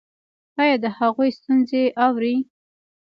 ایا د هغوی ستونزې اورئ؟